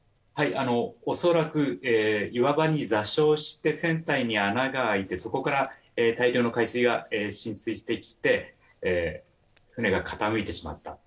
恐らく岩場に座礁して船体に穴が開いてそこから大量の海水が浸水してきて船が傾いてしまった。